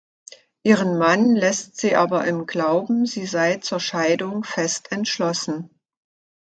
Ihren Mann lässt sie aber im Glauben, sie sei zur Scheidung fest entschlossen.